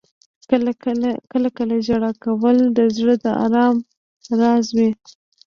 • کله کله ژړا کول د زړه د آرام راز وي.